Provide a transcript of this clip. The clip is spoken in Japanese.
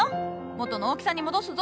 元の大きさに戻すぞ。